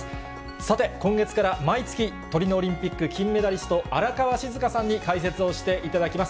さて、今月から毎月、トリノオリンピック金メダリスト、荒川静香さんに解説をしていただきます。